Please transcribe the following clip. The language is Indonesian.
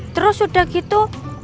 terus udah gitu